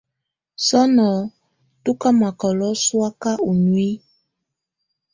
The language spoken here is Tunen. Sɔnɔ tú ká makɔlɔ sɔ̀áka ú nuiyi.